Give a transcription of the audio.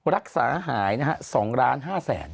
รักษาหายนะฮะ๒๕๐๐๐๐๐บาท